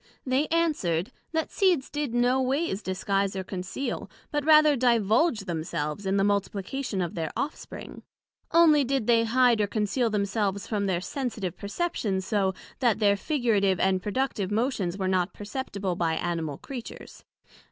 They answered, That seeds did no ways disguise or conceal, but rather divulge themselves in the multiplication of their off spring; onely they did hide and conceal themselves from their sensitive perceptions so, that their figurative and productive motions were not perceptible by Animal Creatures.